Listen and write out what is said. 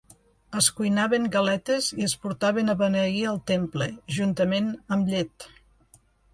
Es cuinaven galetes i es portaven a beneir al temple juntament amb llet.